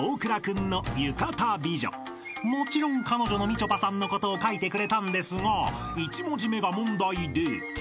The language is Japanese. ［もちろん彼女のみちょぱさんのことを書いてくれたんですが１文字目が問題で］